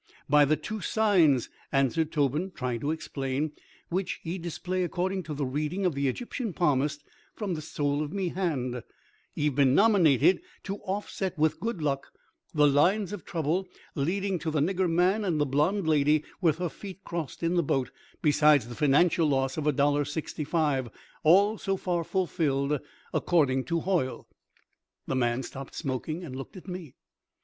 "By the two signs," answers Tobin, trying to explain, "which ye display according to the reading of the Egyptian palmist from the sole of me hand, ye've been nominated to offset with good luck the lines of trouble leading to the nigger man and the blonde lady with her feet crossed in the boat, besides the financial loss of a dollar sixty five, all so far fulfilled according to Hoyle." The man stopped smoking and looked at me.